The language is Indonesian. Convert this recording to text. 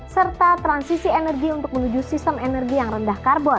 serta transisi energi untuk menuju sistem energi yang rendah karbon